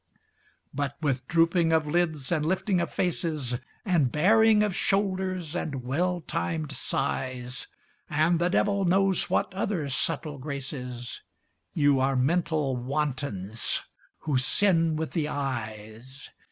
But with drooping of lids, and lifting of faces, And baring of shoulders, and well timed sighs, And the devil knows what other subtle graces, You are mental wantons, who sin with the eyes.